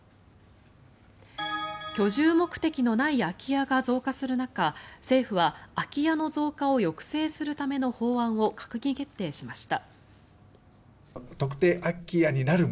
居住目的のない空き家が増加する中政府は、空き家の増加を抑制するための法案を閣議決定しました。